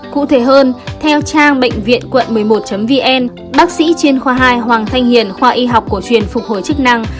cụ thể hơn theo trang bệnh viện quận một mươi một vn bác sĩ chuyên khoa hai hoàng thanh hiền khoa y học cổ truyền phục hồi chức năng